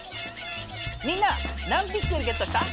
みんな何ピクセルゲットした？